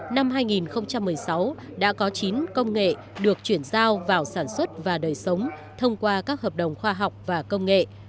năm hai nghìn một mươi sáu đã có chín công nghệ được chuyển giao vào sản xuất và đời sống thông qua các hợp đồng khoa học và công nghệ